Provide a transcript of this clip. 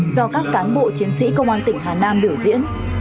do các cán bộ chiến sĩ công an tỉnh hà nam biểu diễn